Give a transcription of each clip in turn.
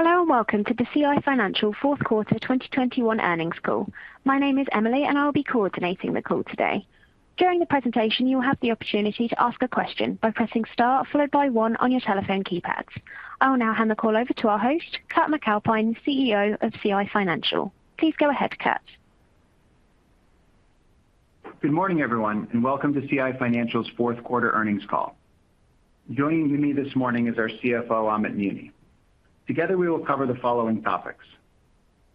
Hello, and welcome to the CI Financial fourth quarter 2021 earnings call. My name is Emily, and I will be coordinating the call today. During the presentation, you will have the opportunity to ask a question by pressing star followed by one on your telephone keypads. I will now hand the call over to our host, Kurt MacAlpine, CEO of CI Financial. Please go ahead, Kurt. Good morning, everyone, and welcome to CI Financial's fourth quarter earnings call. Joining me this morning is our CFO, Amit Muni. Together, we will cover the following topics.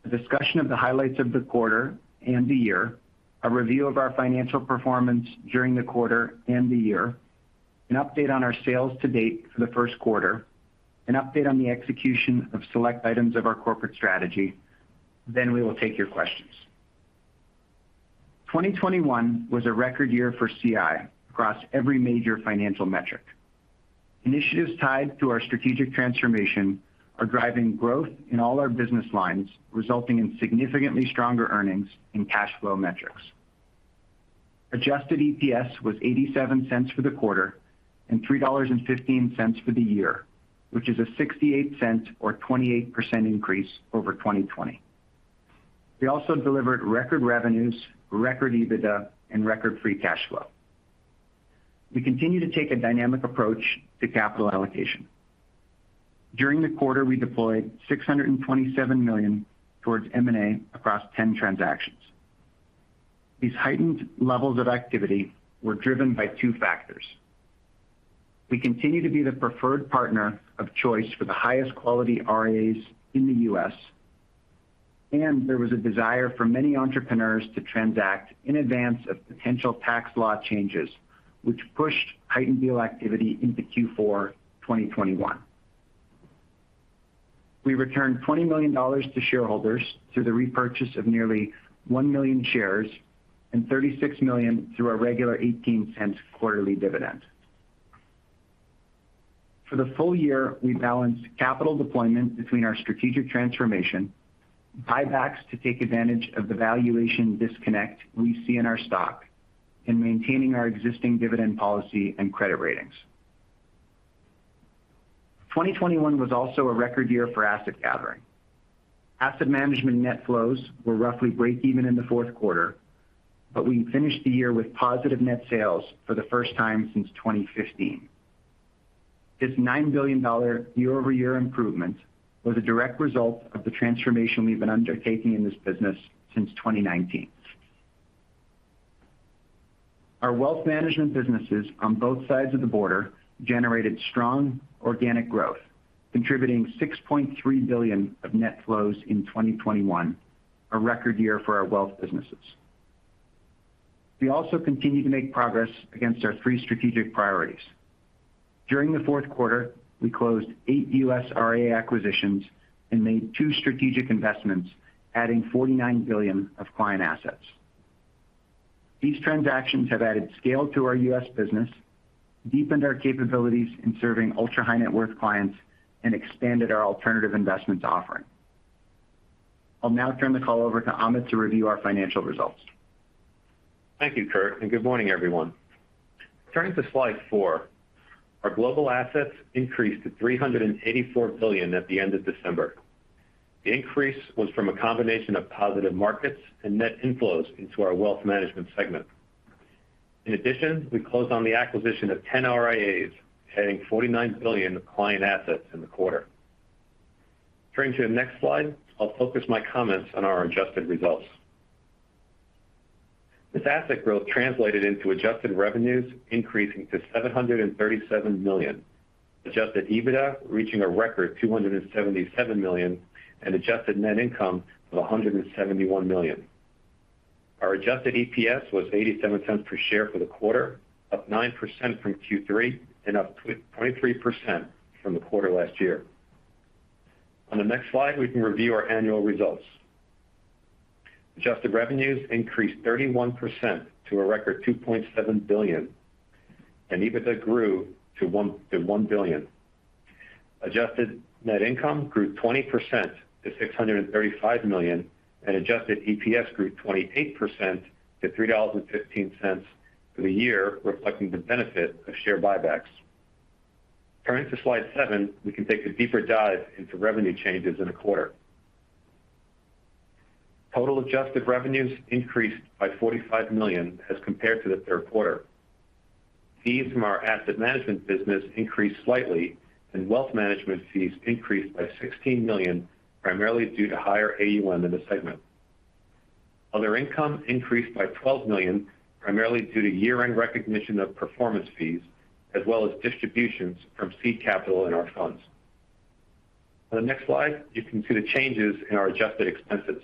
A discussion of the highlights of the quarter and the year, a review of our financial performance during the quarter and the year, an update on our sales to date for the first quarter, an update on the execution of select items of our corporate strategy. Then we will take your questions. 2021 was a record year for CI across every major financial metric. Initiatives tied to our strategic transformation are driving growth in all our business lines, resulting in significantly stronger earnings and cash flow metrics. Adjusted EPS was 0.87 for the quarter and 3.15 dollars for the year, which is a 0.68 or 28% increase over 2020. We also delivered record revenues, record EBITDA, and record free cash flow. We continue to take a dynamic approach to capital allocation. During the quarter, we deployed 627 million towards M&A across 10 transactions. These heightened levels of activity were driven by two factors. We continue to be the preferred partner of choice for the highest quality RIAs in the U.S., and there was a desire for many entrepreneurs to transact in advance of potential tax law changes, which pushed heightened deal activity into Q4 2021. We returned 20 million dollars to shareholders through the repurchase of nearly one million shares and 36 million through our regular 0.18 quarterly dividend. For the full year, we balanced capital deployment between our strategic transformation, buybacks to take advantage of the valuation disconnect we see in our stock, and maintaining our existing dividend policy and credit ratings. 2021 was also a record year for asset gathering. Asset Management net flows were roughly breakeven in the fourth quarter. We finished the year with positive net sales for the first time since 2015. This 9 billion dollar year-over-year improvement was a direct result of the transformation we've been undertaking in this business since 2019. Our Wealth Management businesses on both sides of the border generated strong organic growth, contributing 6.3 billion of net flows in 2021, a record year for our Wealth businesses. We also continue to make progress against our three strategic priorities. During the fourth quarter, we closed eight U.S. RIA acquisitions and made two strategic investments, adding $49 billion of client assets. These transactions have added scale to our U.S. business, deepened our capabilities in serving ultra-high-net-worth clients, and expanded our alternative investments offering. I'll now turn the call over to Amit to review our financial results. Thank you, Kurt, and good morning, everyone. Turning to slide four, our global assets increased to 384 billion at the end of December. The increase was from a combination of positive markets and net inflows into our wealth management segment. In addition, we closed on the acquisition of 10 RIAs, adding 49 billion of client assets in the quarter. Turning to the next slide, I'll focus my comments on our adjusted results. This asset growth translated into adjusted revenues increasing to 737 million, adjusted EBITDA reaching a record 277 million, and adjusted net income of 171 million. Our adjusted EPS was 0.87 per share for the quarter, up 9% from Q3 and up 23% from the quarter last year. On the next slide, we can review our annual results. Adjusted revenues increased 31% to a record 2.7 billion, and EBITDA grew to 1 billion. Adjusted net income grew 20% to 635 million, and adjusted EPS grew 28% to 3.15 dollars for the year, reflecting the benefit of share buybacks. Turning to slide seven, we can take a deeper dive into revenue changes in the quarter. Total adjusted revenues increased by 45 million as compared to the third quarter. Fees from our asset management business increased slightly, and wealth management fees increased by 16 million, primarily due to higher AUM in the segment. Other income increased by 12 million, primarily due to year-end recognition of performance fees, as well as distributions from seed capital in our funds. On the next slide, you can see the changes in our adjusted expenses.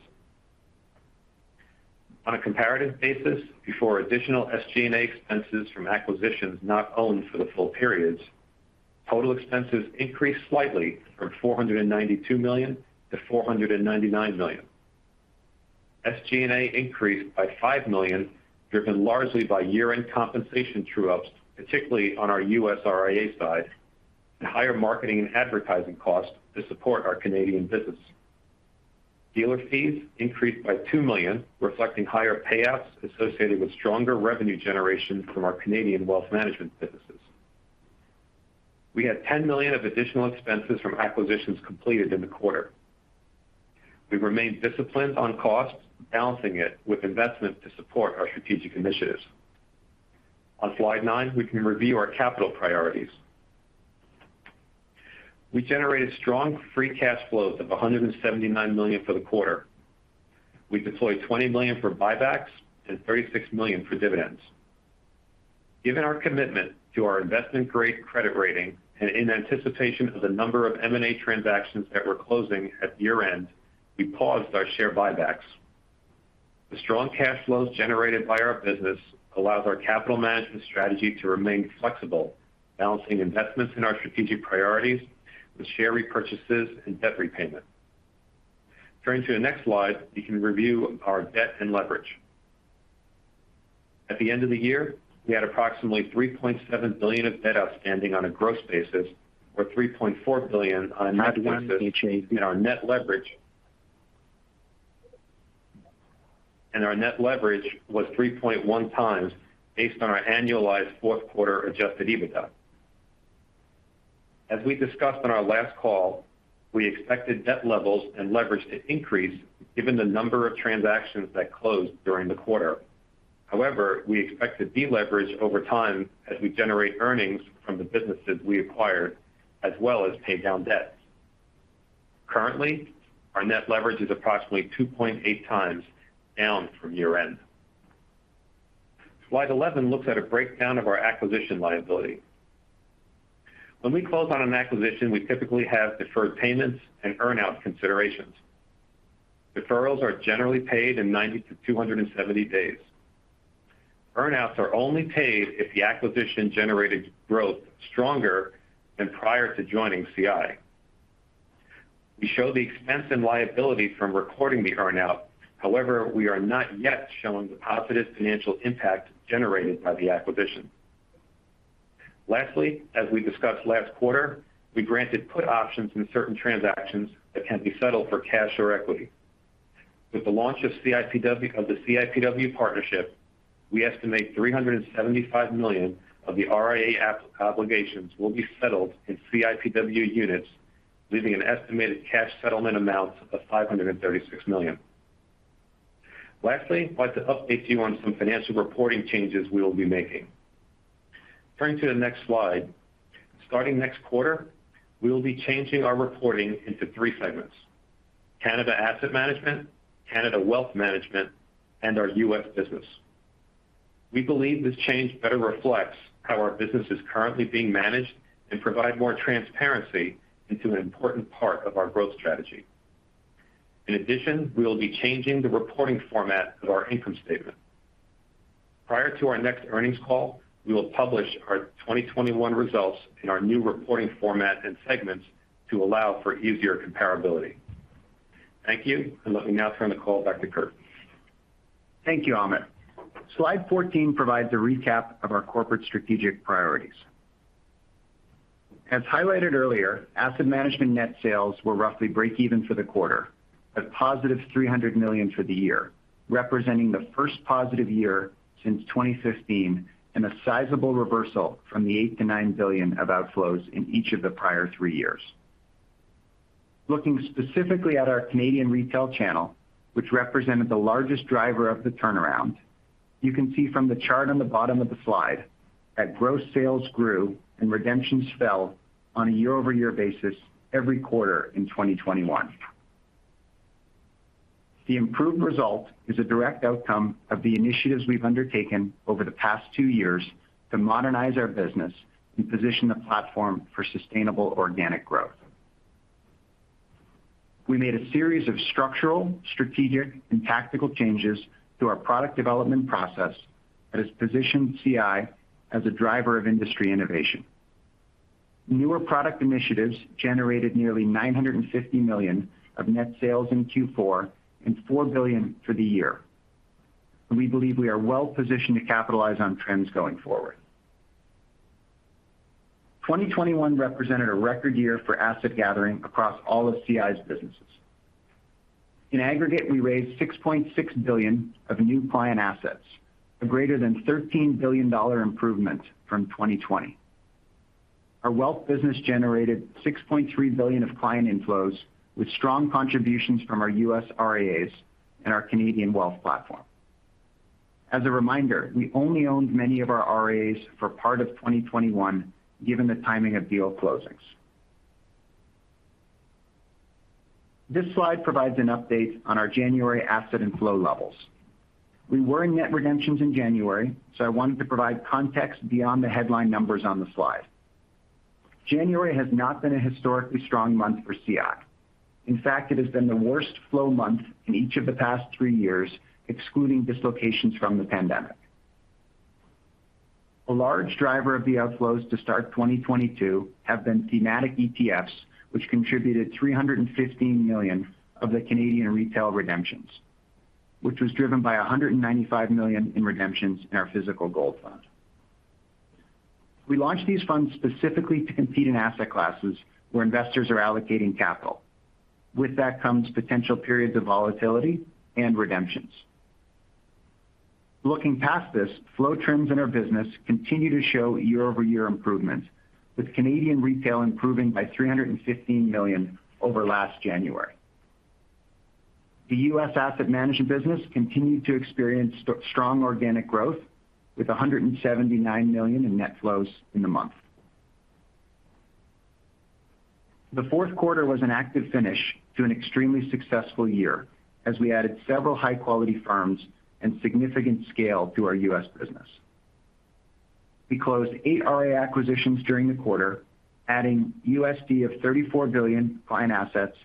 On a comparative basis, before additional SG&A expenses from acquisitions not owned for the full periods, total expenses increased slightly from 492 million to 499 million. SG&A increased by 5 million, driven largely by year-end compensation true-ups, particularly on our U.S. RIA side, and higher marketing and advertising costs to support our Canadian business. Dealer fees increased by 2 million, reflecting higher payoffs associated with stronger revenue generation from our Canadian wealth management businesses. We had 10 million of additional expenses from acquisitions completed in the quarter. We've remained disciplined on costs, balancing it with investment to support our strategic initiatives. On slide nine, we can review our capital priorities. We generated strong free cash flows of 179 million for the quarter. We deployed 20 million for buybacks and 36 million for dividends. Given our commitment to our investment-grade credit rating and in anticipation of the number of M&A transactions that we're closing at year-end, we paused our share buybacks. The strong cash flows generated by our business allows our capital management strategy to remain flexible, balancing investments in our strategic priorities with share repurchases and debt repayment. Turning to the next slide, you can review our debt and leverage. At the end of the year, we had approximately 3.7 billion of debt outstanding on a gross basis, or 3.4 billion on a net basis. Our net leverage was 3.1 times based on our annualized fourth quarter adjusted EBITDA. As we discussed on our last call, we expected debt levels and leverage to increase given the number of transactions that closed during the quarter. However, we expect to deleverage over time as we generate earnings from the businesses we acquired, as well as pay down debt. Currently, our net leverage is approximately 2.8x, down from year-end. Slide 11 looks at a breakdown of our acquisition liability. When we close on an acquisition, we typically have deferred payments and earn-out considerations. Deferrals are generally paid in 90-270 days. Earn-outs are only paid if the acquisition generated growth stronger than prior to joining CI. We show the expense and liability from recording the earn-out. However, we are not yet showing the positive financial impact generated by the acquisition. Lastly, as we discussed last quarter, we granted put options in certain transactions that can be settled for cash or equity. With the launch of the CIPW partnership, we estimate 375 million of the RIA obligations will be settled in CIPW units, leaving an estimated cash settlement amount of 536 million. Lastly, I'd like to update you on some financial reporting changes we will be making. Turning to the next slide. Starting next quarter, we will be changing our reporting into three segments: Canada Asset Management, Canada Wealth Management, and our U.S. business. We believe this change better reflects how our business is currently being managed and provide more transparency into an important part of our growth strategy. In addition, we will be changing the reporting format of our income statement. Prior to our next earnings call, we will publish our 2021 results in our new reporting format and segments to allow for easier comparability. Thank you. Let me now turn the call back to Kurt. Thank you, Amit. Slide 14 provides a recap of our corporate strategic priorities. As highlighted earlier, asset management net sales were roughly break even for the quarter, but positive 300 million for the year, representing the first positive year since 2015 and a sizable reversal from the 8 billion-9 billion of outflows in each of the prior three years. Looking specifically at our Canadian retail channel, which represented the largest driver of the turnaround, you can see from the chart on the bottom of the slide that gross sales grew and redemptions fell on a year-over-year basis every quarter in 2021. The improved result is a direct outcome of the initiatives we've undertaken over the past two years to modernize our business and position the platform for sustainable organic growth. We made a series of structural, strategic, and tactical changes to our product development process that has positioned CI as a driver of industry innovation. Newer product initiatives generated nearly 950 million of net sales in Q4 and 4 billion for the year. We believe we are well positioned to capitalize on trends going forward. 2021 represented a record year for asset gathering across all of CI's businesses. In aggregate, we raised 6.6 billion of new client assets, a greater than 13 billion dollar improvement from 2020. Our wealth business generated 6.3 billion of client inflows, with strong contributions from our U.S. RIAs and our Canadian wealth platform. As a reminder, we only owned many of our RIAs for part of 2021, given the timing of deal closings. This slide provides an update on our January asset and flow levels. We were in net redemptions in January, so I wanted to provide context beyond the headline numbers on the slide. January has not been a historically strong month for CI. In fact, it has been the worst flow month in each of the past three years, excluding dislocations from the pandemic. A large driver of the outflows to start 2022 have been thematic ETFs, which contributed 315 million of the Canadian retail redemptions, which was driven by 195 million in redemptions in our physical gold fund. We launched these funds specifically to compete in asset classes where investors are allocating capital. With that comes potential periods of volatility and redemptions. Looking past this, flows in our business continue to show year-over-year improvement, with Canadian retail improving by 315 million over last January. The U.S. asset management business continued to experience strong organic growth with $179 million in net flows in the month. The fourth quarter was an active finish to an extremely successful year as we added several high-quality firms and significant scale to our U.S. business. We closed eight RIA acquisitions during the quarter, adding $34 billion client assets,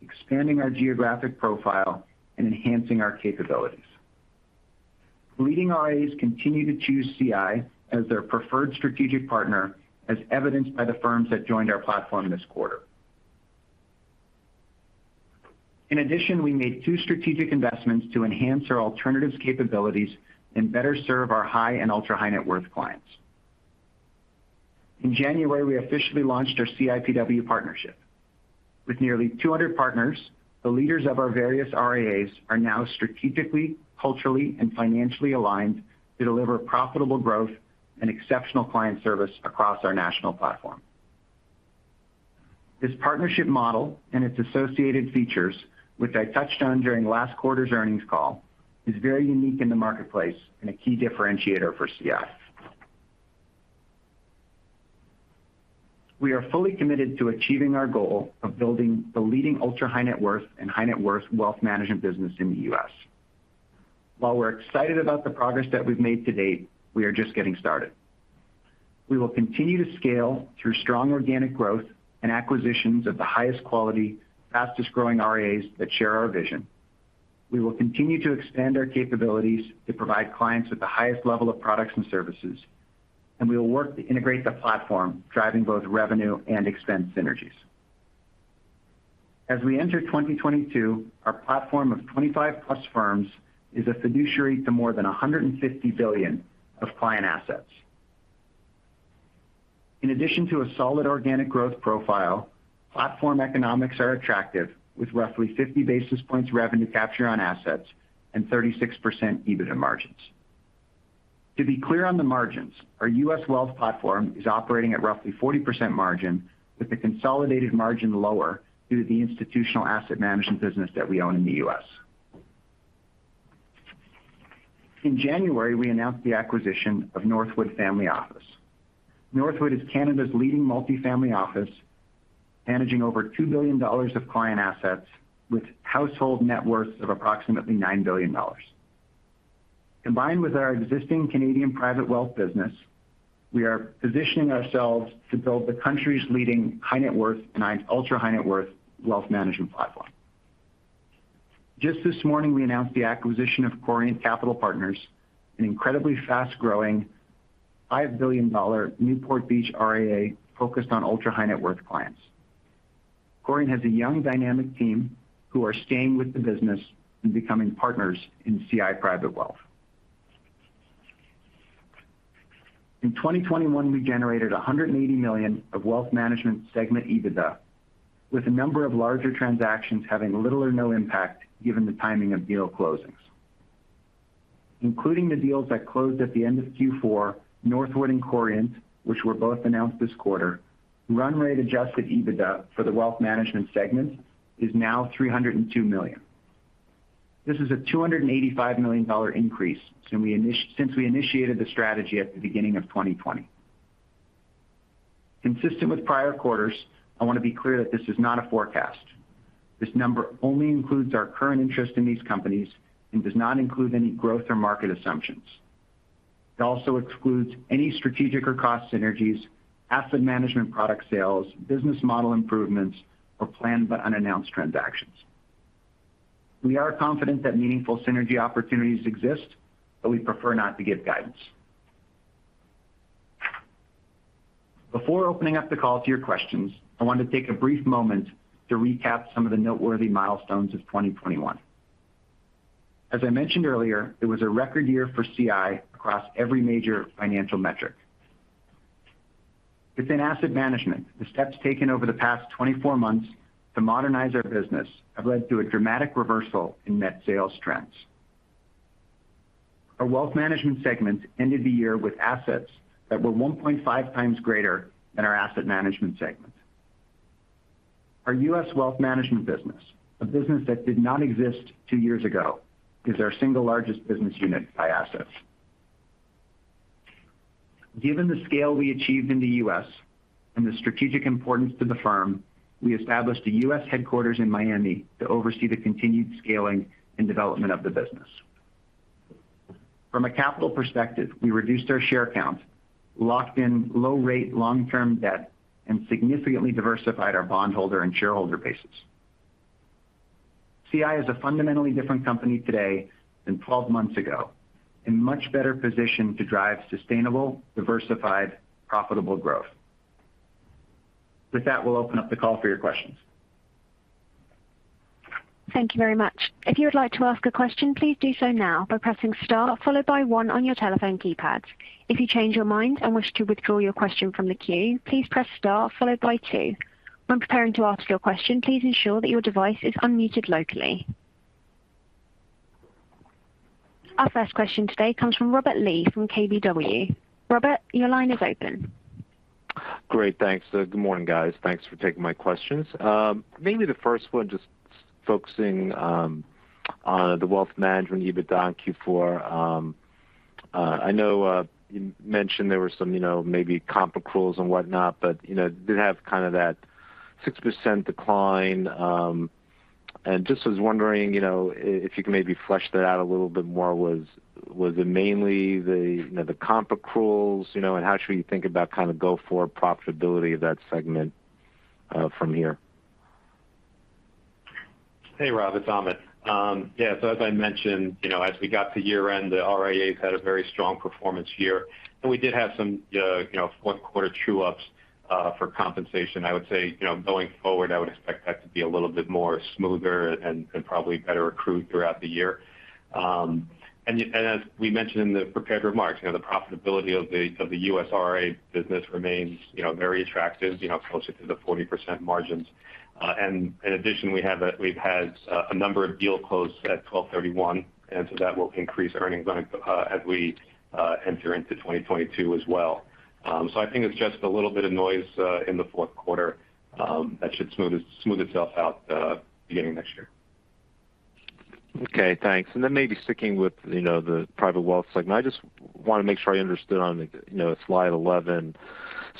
expanding our geographic profile and enhancing our capabilities. Leading RIAs continue to choose CI as their preferred strategic partner, as evidenced by the firms that joined our platform this quarter. In addition, we made two strategic investments to enhance our alternatives capabilities and better serve our high and ultra-high-net-worth clients. In January, we officially launched our CIPW partnership. With nearly 200 partners, the leaders of our various RIAs are now strategically, culturally, and financially aligned to deliver profitable growth and exceptional client service across our national platform. This partnership model and its associated features, which I touched on during last quarter's earnings call, is very unique in the marketplace and a key differentiator for CI. We are fully committed to achieving our goal of building the leading ultra-high-net-worth and high-net-worth wealth management business in the U.S. While we're excited about the progress that we've made to date, we are just getting started. We will continue to scale through strong organic growth and acquisitions of the highest quality, fastest-growing RIAs that share our vision. We will continue to expand our capabilities to provide clients with the highest level of products and services, and we will work to integrate the platform, driving both revenue and expense synergies. As we enter 2022, our platform of 25+ firms is a fiduciary to more than 150 billion of client assets. In addition to a solid organic growth profile, platform economics are attractive, with roughly 50 basis points revenue capture on assets and 36% EBITDA margins. To be clear on the margins, our U.S. wealth platform is operating at roughly 40% margin, with the consolidated margin lower due to the institutional asset management business that we own in the U.S. In January, we announced the acquisition of Northwood Family Office. Northwood is Canada's leading multi-family office, managing over 2 billion dollars of client assets with household net worth of approximately 9 billion dollars. Combined with our existing Canadian private wealth business, we are positioning ourselves to build the country's leading high-net-worth and ultra-high-net-worth wealth management platform. Just this morning, we announced the acquisition of Corient Capital Partners, an incredibly fast-growing, $5 billion Newport Beach RIA focused on ultra-high-net-worth clients. Corient has a young dynamic team who are staying with the business and becoming partners in CI Private Wealth. In 2021, we generated 180 million of wealth management segment EBITDA, with a number of larger transactions having little or no impact given the timing of deal closings. Including the deals that closed at the end of Q4, Northwood and Corient, which were both announced this quarter, run rate adjusted EBITDA for the wealth management segment is now 302 million. This is a 285 million-dollar increase since we initiated the strategy at the beginning of 2020. Consistent with prior quarters, I want to be clear that this is not a forecast. This number only includes our current interest in these companies and does not include any growth or market assumptions. It also excludes any strategic or cost synergies, asset management product sales, business model improvements, or planned but unannounced transactions. We are confident that meaningful synergy opportunities exist, but we prefer not to give guidance. Before opening up the call to your questions, I want to take a brief moment to recap some of the noteworthy milestones of 2021. As I mentioned earlier, it was a record year for CI across every major financial metric. Within Asset Management, the steps taken over the past 24 months to modernize our business have led to a dramatic reversal in net sales trends. Our Wealth Management segments ended the year with assets that were 1.5x greater than our Asset Management segment. Our U.S. wealth management business, a business that did not exist two years ago, is our single largest business unit by assets. Given the scale we achieved in the U.S. and the strategic importance to the firm, we established a U.S. headquarters in Miami to oversee the continued scaling and development of the business. From a capital perspective, we reduced our share count, locked in low-rate long-term debt, and significantly diversified our bondholder and shareholder bases. CI is a fundamentally different company today than 12 months ago, in much better position to drive sustainable, diversified, profitable growth. With that, we'll open up the call for your questions. Thank you very much. If you would like to ask a question, please do so now by pressing star followed by one on your telephone keypad. If you change your mind and wish to withdraw your question from the queue, please press star followed by two. When preparing to ask your question, please ensure that your device is unmuted locally. Our first question today comes from Robert Lee from KBW. Robert, your line is open. Great. Thanks. Good morning, guys. Thanks for taking my questions. Maybe the first one just focusing on the wealth management EBITDA in Q4. I know you mentioned there were some, you know, maybe comp accruals and whatnot, but, you know, it did have kind of that 6% decline. And I was just wondering, you know, if you can maybe flesh that out a little bit more. Was it mainly the, you know, the comp accruals, you know, and how should we think about kind of go-forward profitability of that segment from here? Hey, Rob, it's Amit. So as I mentioned, you know, as we got to year-end, the RIAs had a very strong performance year, and we did have some, you know, fourth quarter true ups for compensation. I would say, you know, going forward, I would expect that to be a little bit more smoother and probably better accrued throughout the year. As we mentioned in the prepared remarks, you know, the profitability of the U.S. RIA business remains, you know, very attractive, you know, closer to the 40% margins. In addition, we've had a number of deals closed at 12/31, and so that will increase earnings as we enter into 2022 as well. I think it's just a little bit of noise in the fourth quarter that should smooth itself out beginning next year. Okay, thanks. Maybe sticking with, you know, the private wealth segment. I just want to make sure I understood on, you know, slide 11.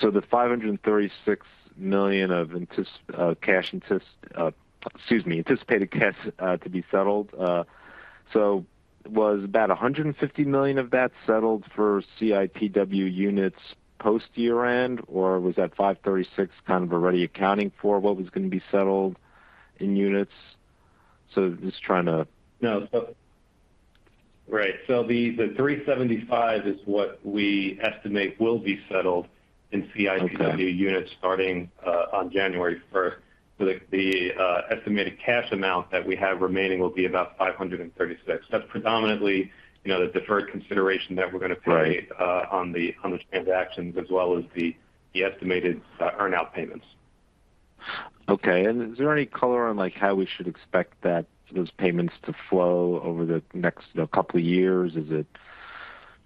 The 536 million of anticipated cash to be settled. Was about 150 million of that settled for CIPW units post-year-end, or was that 536 kind of already accounting for what was going to be settled in units? Just trying to- The $375 is what we estimate will be settled in CIPW- Okay. Units starting on January first. Estimated cash amount that we have remaining will be about 536. That's predominantly, you know, the deferred consideration that we're going to pay- Right. on the transactions as well as the estimated earn-out payments. Okay. Is there any color on, like, how we should expect that, those payments to flow over the next couple of years? Is it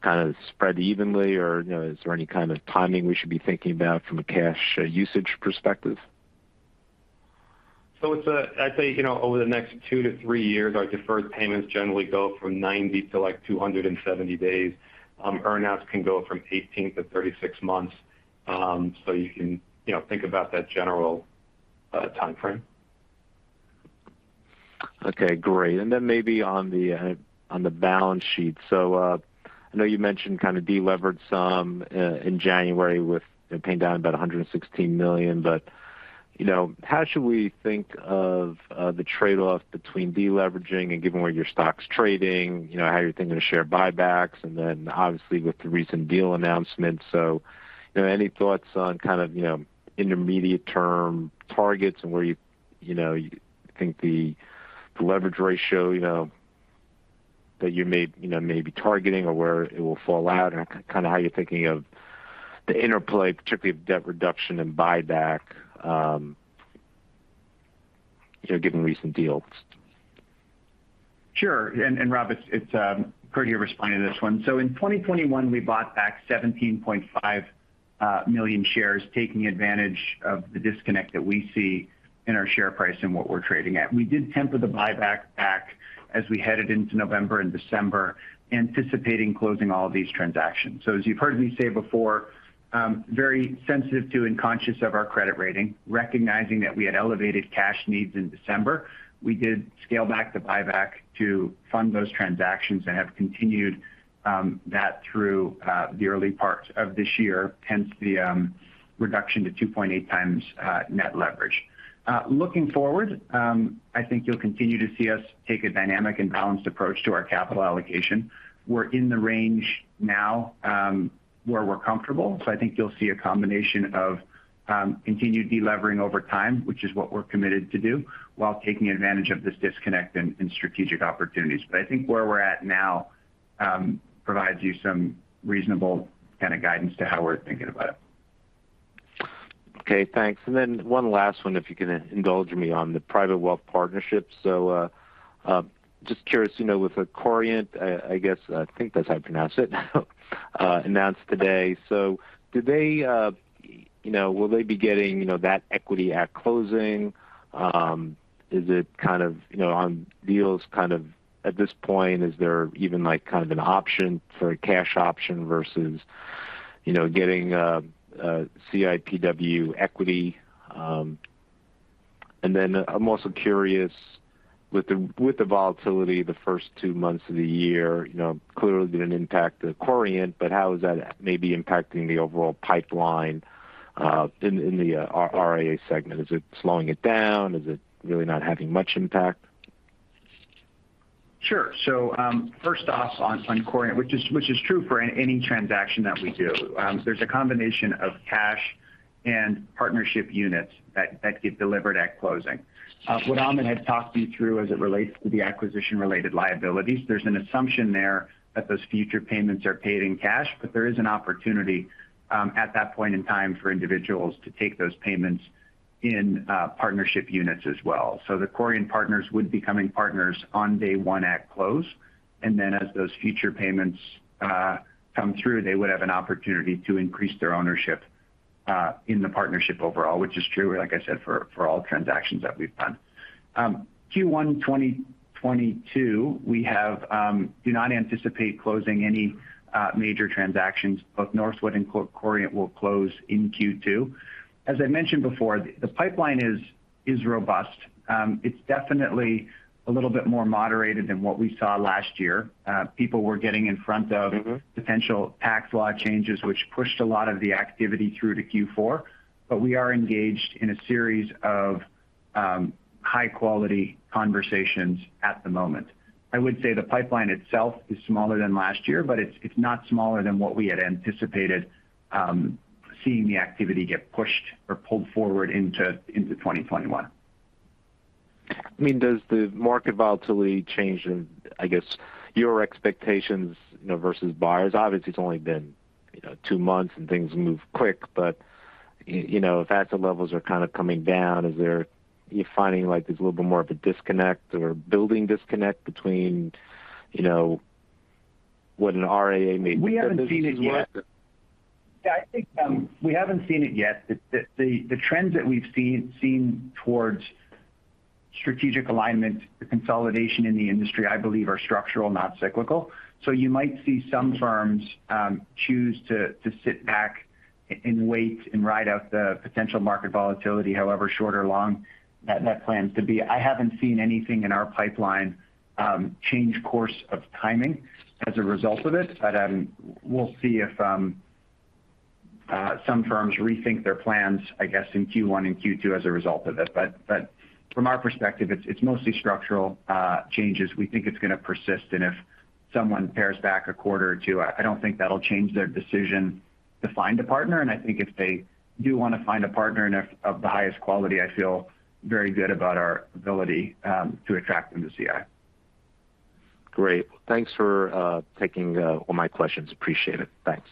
kind of spread evenly or, you know, is there any kind of timing we should be thinking about from a cash usage perspective? It's, I'd say, you know, over the next two to three years, our deferred payments generally go from 90 to, like, 270 days. Earn outs can go from 18 to 36 months. You can, you know, think about that general timeframe. Okay, great. Maybe on the balance sheet. I know you mentioned kind of delevered some in January with it paying down about 116 million. You know, how should we think of the trade-off between deleveraging and given where your stock's trading, you know, how you're thinking of share buybacks and then obviously with the recent deal announcement. You know, any thoughts on kind of, you know, intermediate term targets and where you know, you think the leverage ratio, you know, that you may be targeting or where it will fall out and kind of how you're thinking of the interplay, particularly of debt reduction and buyback, you know, given recent deals? Sure. Rob, it's Kurt here responding to this one. In 2021, we bought back 17.5 million shares, taking advantage of the disconnect that we see in our share price and what we're trading at. We did temper the buyback as we headed into November and December, anticipating closing all of these transactions. As you've heard me say before, very sensitive to and conscious of our credit rating, recognizing that we had elevated cash needs in December, we did scale back the buyback to fund those transactions and have continued that through the early part of this year, hence the reduction to 2.8x net leverage. Looking forward, I think you'll continue to see us take a dynamic and balanced approach to our capital allocation. We're in the range now, where we're comfortable, so I think you'll see a combination of continued delevering over time, which is what we're committed to do while taking advantage of this disconnect and strategic opportunities. I think where we're at now provides you some reasonable kind of guidance to how we're thinking about it. Okay, thanks. One last one, if you can indulge me on the private wealth partnership. Just curious, you know, with Corient, I guess, I think that's how you pronounce it, announced today. Do they, you know, will they be getting, you know, that equity at closing? Is it kind of, you know, on deals kind of at this point, is there even like kind of an option for a cash option versus, you know, getting CIPW equity? I'm also curious with the volatility the first two months of the year, you know, clearly didn't impact the Corient, but how is that maybe impacting the overall pipeline, in the RIA segment? Is it slowing it down? Is it really not having much impact? Sure. First off on Corient, which is true for any transaction that we do. There's a combination of cash and partnership units that get delivered at closing. What Amit had talked you through as it relates to the acquisition-related liabilities, there's an assumption there that those future payments are paid in cash, but there is an opportunity at that point in time for individuals to take those payments in partnership units as well. The Corient partners would become partners on day one at close, and then as those future payments come through, they would have an opportunity to increase their ownership in the partnership overall, which is true, like I said, for all transactions that we've done. Q1 2022, we do not anticipate closing any major transactions. Both Northwood and Corient will close in Q2. As I mentioned before, the pipeline is robust. It's definitely a little bit more moderated than what we saw last year. People were getting in front of- Mm-hmm Potential tax law changes, which pushed a lot of the activity through to Q4. We are engaged in a series of high-quality conversations at the moment. I would say the pipeline itself is smaller than last year, but it's not smaller than what we had anticipated, seeing the activity get pushed or pulled forward into 2021. I mean, does the market volatility change in, I guess, your expectations, you know, versus buyers? Obviously, it's only been, you know, two months and things move quick. You know, if asset levels are kind of coming down, is there, are you finding like there's a little bit more of a disconnect or building disconnect between, you know, what an RIA may- We haven't seen it yet. Is worth it. Yeah, I think we haven't seen it yet. The trends that we've seen towards strategic alignment consolidation in the industry, I believe, are structural, not cyclical. You might see some firms choose to sit back and wait and ride out the potential market volatility, however short or long that lasts to be. I haven't seen anything in our pipeline change course or timing as a result of it. We'll see if some firms rethink their plans, I guess, in Q1 and Q2 as a result of it. From our perspective, it's mostly structural changes. We think it's going to persist, and if someone pares back a quarter or two, I don't think that'll change their decision to find a partner. I think if they do want to find a partner, and if of the highest quality, I feel very good about our ability to attract them to CI. Great. Thanks for taking all my questions. Appreciate it. Thanks.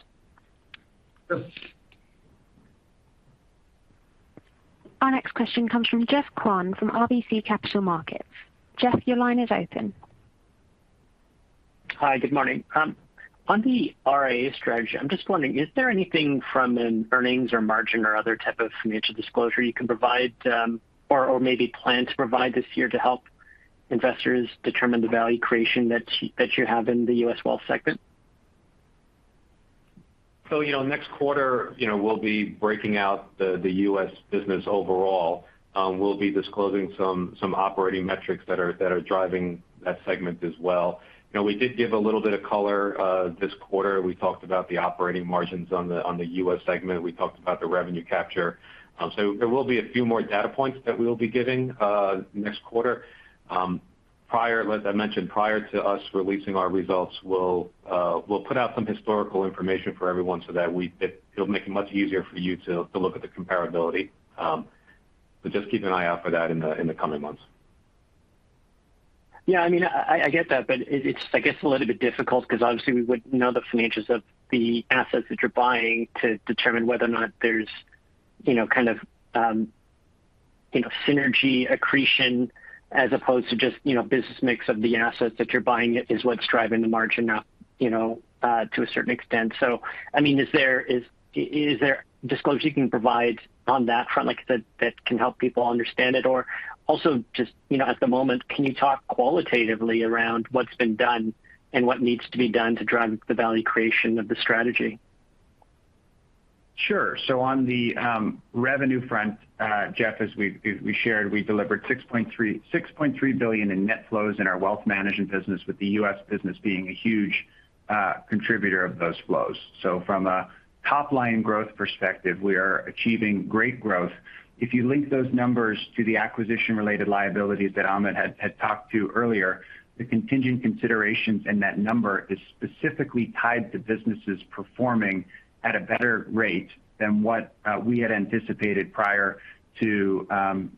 Sure. Our next question comes from Geoffrey Kwan from RBC Capital Markets. Jeff, your line is open. Hi, good morning. On the RIA strategy, I'm just wondering, is there anything from an earnings or margin or other type of financial disclosure you can provide, or maybe plan to provide this year to help investors determine the value creation that you have in the U.S. Wealth segment? You know, next quarter, you know, we'll be breaking out the U.S. business overall. We'll be disclosing some operating metrics that are driving that segment as well. You know, we did give a little bit of color this quarter. We talked about the operating margins on the U.S. segment. We talked about the revenue capture. There will be a few more data points that we'll be giving next quarter. As I mentioned, prior to us releasing our results, we'll put out some historical information for everyone so that it'll make it much easier for you to look at the comparability. Just keep an eye out for that in the coming months. Yeah, I mean, I get that, but it's, I guess, a little bit difficult because obviously we wouldn't know the financials of the assets that you're buying to determine whether or not there's, you know, kind of, synergy accretion as opposed to just, you know, business mix of the assets that you're buying is what's driving the margin up, you know, to a certain extent. So, I mean, is there disclosure you can provide on that front, like I said, that can help people understand it? Or also just, you know, at the moment, can you talk qualitatively around what's been done and what needs to be done to drive the value creation of the strategy? Sure. On the revenue front, Jeff, as we shared, we delivered 6.3 billion in net flows in our wealth management business, with the U.S. business being a huge contributor of those flows. From a top-line growth perspective, we are achieving great growth. If you link those numbers to the acquisition-related liabilities that Amit had talked to earlier, the contingent considerations in that number is specifically tied to businesses performing at a better rate than what we had anticipated prior to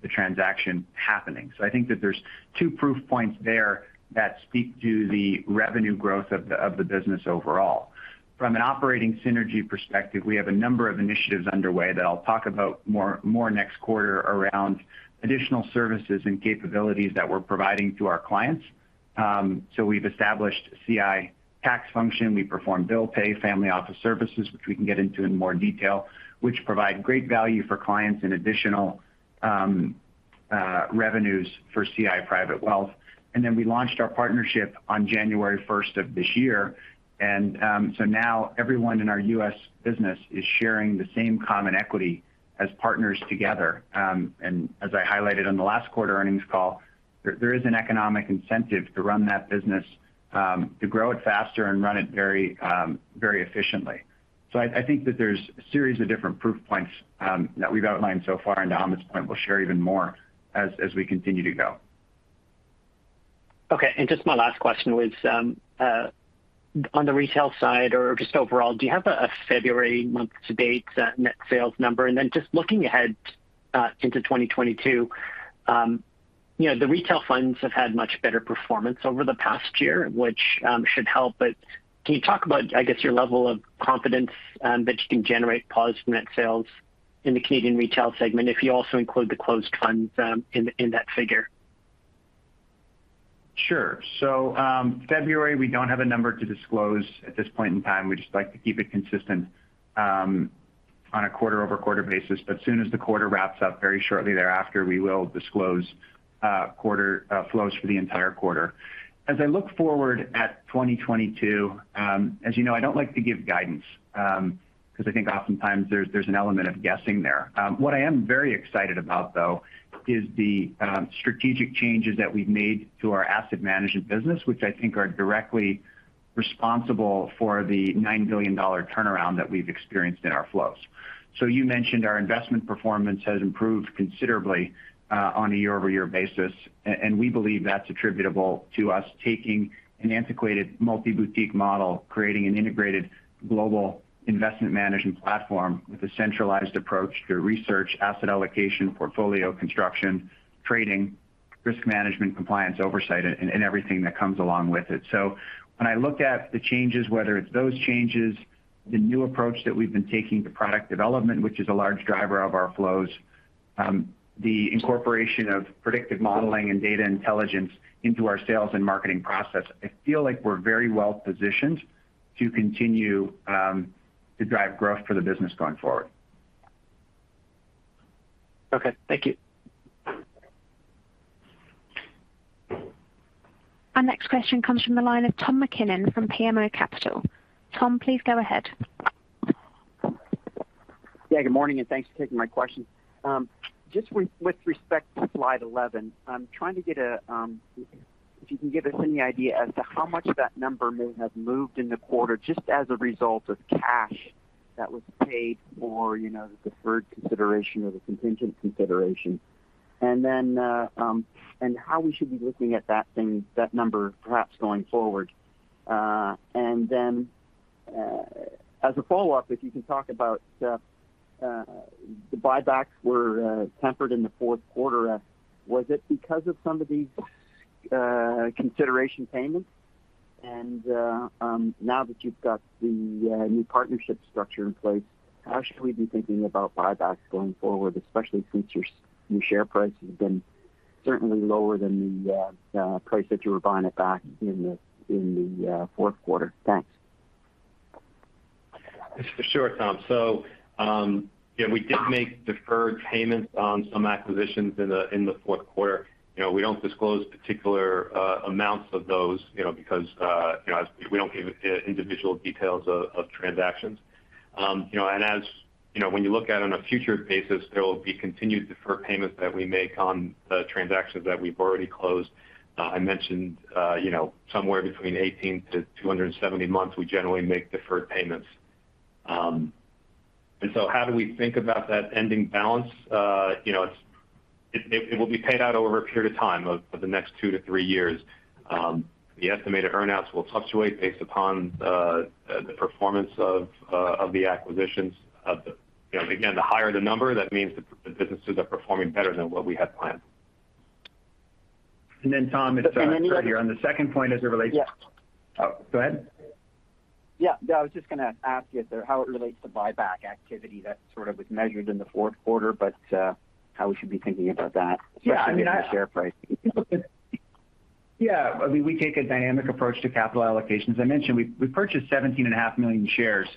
the transaction happening. I think that there's two proof points there that speak to the revenue growth of the business overall. From an operating synergy perspective, we have a number of initiatives underway that I'll talk about more next quarter around additional services and capabilities that we're providing to our clients. We've established CI tax function. We perform bill pay, family office services, which we can get into in more detail, which provide great value for clients and additional revenues for CI Private Wealth. We launched our partnership on January first of this year. Now everyone in our U.S. business is sharing the same common equity as partners together. As I highlighted on the last quarter earnings call, there is an economic incentive to run that business to grow it faster and run it very efficiently. I think that there's a series of different proof points that we've outlined so far, and on this point, we'll share even more as we continue to go. Okay. Just my last question was on the retail side or just overall, do you have a February month-to-date net sales number? Just looking ahead into 2022, you know, the retail funds have had much better performance over the past year, which should help. Can you talk about, I guess, your level of confidence that you can generate positive net sales in the Canadian retail segment if you also include the closed funds in that figure? Sure. February, we don't have a number to disclose at this point in time. We just like to keep it consistent on a quarter-over-quarter basis. As soon as the quarter wraps up very shortly thereafter, we will disclose quarter flows for the entire quarter. As I look forward to 2022, as you know, I don't like to give guidance because I think oftentimes there's an element of guessing there. What I am very excited about, though, is the strategic changes that we've made to our asset management business, which I think are directly responsible for the 9 billion dollar turnaround that we've experienced in our flows. You mentioned our investment performance has improved considerably on a year-over-year basis. We believe that's attributable to us taking an antiquated multi-boutique model, creating an integrated global investment management platform with a centralized approach to research, asset allocation, portfolio construction, trading, risk management, compliance oversight, and everything that comes along with it. When I look at the changes, whether it's those changes, the new approach that we've been taking to product development, which is a large driver of our flows, the incorporation of predictive modeling and data intelligence into our sales and marketing process, I feel like we're very well positioned to continue to drive growth for the business going forward. Okay, thank you. Our next question comes from the line of Tom MacKinnon from BMO Capital Markets. Tom, please go ahead. Yeah, good morning, and thanks for taking my question. Just with respect to slide 11, I'm trying to get a if you can give us any idea as to how much that number may have moved in the quarter just as a result of cash that was paid for, you know, the deferred consideration or the contingent consideration. Then how we should be looking at that thing, that number perhaps going forward. As a follow-up, if you can talk about the buybacks were tempered in the fourth quarter. Was it because of some of these consideration payments? Now that you've got the new partnership structure in place, how should we be thinking about buybacks going forward, especially since your new share price has been certainly lower than the price that you were buying it back in the fourth quarter? Thanks. Sure, Tom. Yeah, we did make deferred payments on some acquisitions in the fourth quarter. You know, we don't disclose particular amounts of those, you know, because you know, as we don't give individual details of transactions. You know, as you know, when you look at on a future basis, there will be continued deferred payments that we make on the transactions that we've already closed. I mentioned, you know, somewhere between 18-270 months, we generally make deferred payments. How do we think about that ending balance? You know, it will be paid out over a period of time of the next 2-3 years. The estimated earn-outs will fluctuate based upon the performance of the acquisitions of the You know, again, the higher the number, that means the businesses are performing better than what we had planned. Tom, it's The other Right here. On the second point as it relates. Yeah. Oh, go ahead. Yeah. No, I was just going to ask you how it relates to buyback activity that sort of was measured in the fourth quarter, but how we should be thinking about that. Yeah, I mean. Especially given the share price. Yeah. I mean, we take a dynamic approach to capital allocations. I mentioned we purchased 17.5 million shares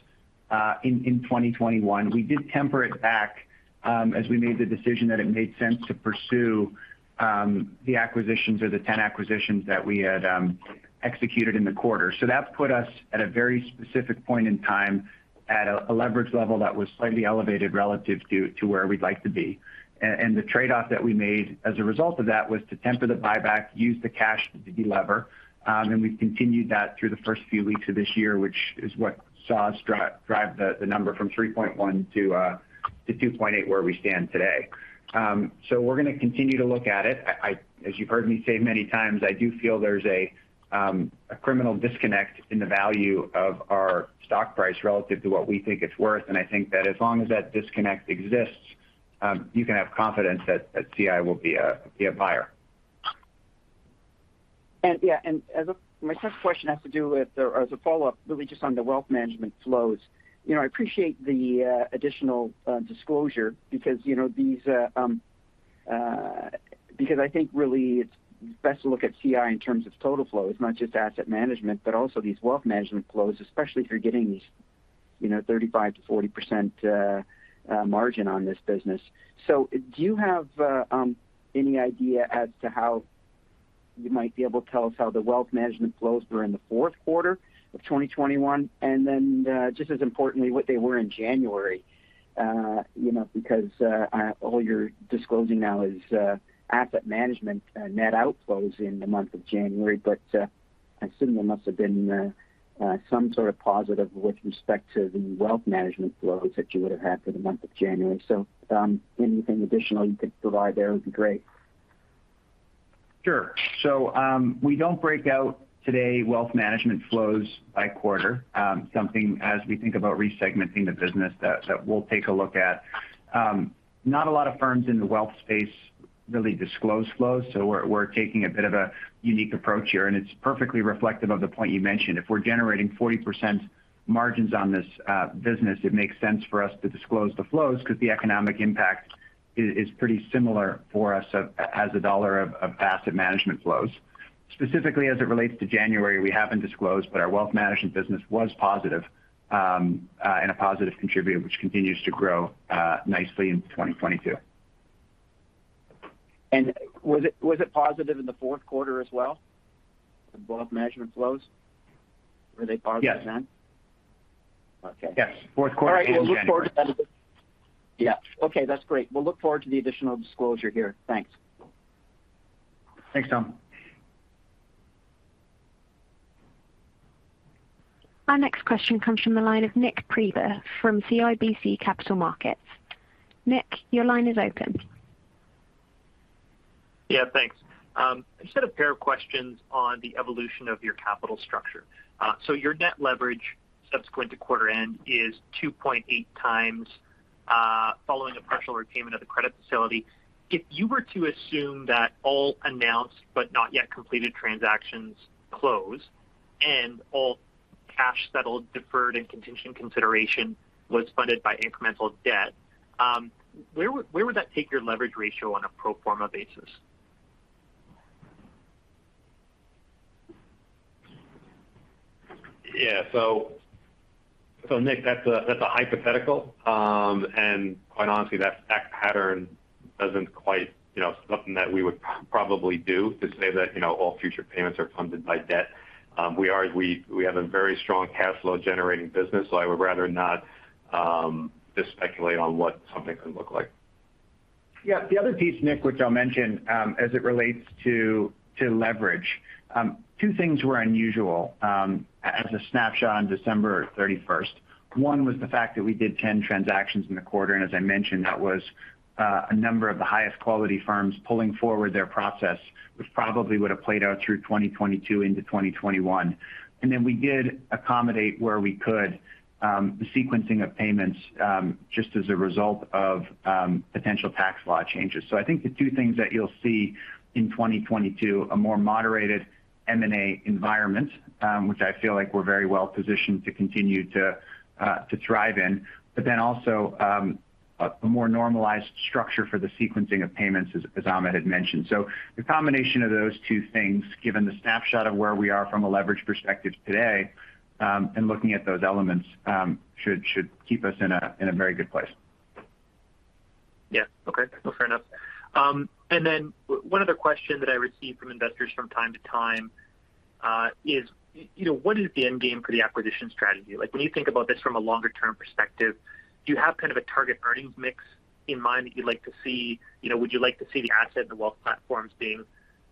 in 2021. We did temper it back as we made the decision that it made sense to pursue the acquisitions or the 10 acquisitions that we had executed in the quarter. So that put us at a very specific point in time at a leverage level that was slightly elevated relative to where we'd like to be. The trade-off that we made as a result of that was to temper the buyback, use the cash to delever. We've continued that through the first few weeks of this year, which is what saw us drive the number from 3.1 to 2.8, where we stand today. We're going to continue to look at it. As you've heard me say many times, I do feel there's a fundamental disconnect in the value of our stock price relative to what we think it's worth. I think that as long as that disconnect exists, you can have confidence that CI will be a buyer. My second question has to do with or as a follow-up, really just on the wealth management flows. You know, I appreciate the additional disclosure because, you know, these because I think really it's best to look at CI in terms of total flows, not just asset management, but also these wealth management flows, especially if you're getting these, you know, 35%-40% margin on this business. Do you have any idea as to how you might be able to tell us how the wealth management flows were in the fourth quarter of 2021? Just as importantly, what they were in January. You know, because all you're disclosing now is asset management net outflows in the month of January. I assume there must have been some sort of positive with respect to the wealth management flows that you would have had for the month of January. Anything additional you could provide there would be great. Sure. We don't break out today wealth management flows by quarter, something as we think about re-segmenting the business that we'll take a look at. Not a lot of firms in the wealth space really disclose flows, so we're taking a bit of a unique approach here, and it's perfectly reflective of the point you mentioned. If we're generating 40% margins on this business, it makes sense for us to disclose the flows because the economic impact is pretty similar for us as a dollar of asset management flows. Specifically as it relates to January, we haven't disclosed, but our wealth management business was positive and a positive contributor which continues to grow nicely in 2022. Was it positive in the fourth quarter as well, the wealth management flows? Were they positive then? Yes. Okay. Yes. fourth quarter and January. All right. We'll look forward to that. Yeah. Okay, that's great. We'll look forward to the additional disclosure here. Thanks. Thanks, Tom. Our next question comes from the line of Nik Priebe from CIBC Capital Markets. Nik, your line is open. Yeah, thanks. I just had a pair of questions on the evolution of your capital structure. So your net leverage subsequent to quarter end is 2.8x following the partial repayment of the credit facility. If you were to assume that all announced but not yet completed transactions close, and all cash settled, deferred and contingent consideration was funded by incremental debt, where would that take your leverage ratio on a pro forma basis? Nick, that's a hypothetical. Quite honestly, that fact pattern doesn't quite, you know, something that we would probably do to say that, you know, all future payments are funded by debt. We have a very strong cash flow generating business. I would rather not just speculate on what something could look like. Yeah. The other piece, Nik, which I'll mention, as it relates to leverage, two things were unusual, as a snapshot on December 31st. One was the fact that we did 10 transactions in the quarter, and as I mentioned, that was a number of the highest quality firms pulling forward their process, which probably would have played out through 2022 into 2021. Then we did accommodate where we could the sequencing of payments just as a result of potential tax law changes. I think the two things that you'll see in 2022, a more moderated M&A environment, which I feel like we're very well positioned to continue to thrive in. Then also a more normalized structure for the sequencing of payments, as Amit had mentioned. The combination of those two things, given the snapshot of where we are from a leverage perspective today, and looking at those elements, should keep us in a very good place. One other question that I receive from investors from time to time is, you know, what is the end game for the acquisition strategy? Like, when you think about this from a longer term perspective, do you have kind of a target earnings mix in mind that you'd like to see? You know, would you like to see the asset and the wealth platforms being